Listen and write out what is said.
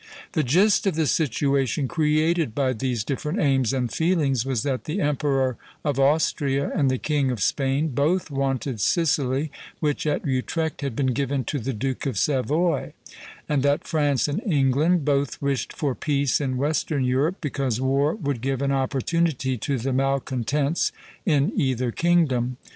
The gist of the situation created by these different aims and feelings, was that the Emperor of Austria and the King of Spain both wanted Sicily, which at Utrecht had been given to the Duke of Savoy; and that France and England both wished for peace in western Europe, because war would give an opportunity to the malcontents in either kingdom.